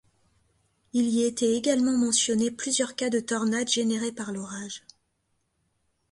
Il y était également mentionnés plusieurs cas de tornades générées par l'orage.